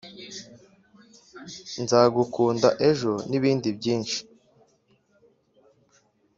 nzagukunda ejo nibindi byinshi